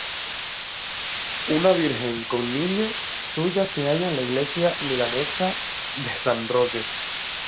Una Virgen con Niño suya se halla en la iglesia milanese de San Roque.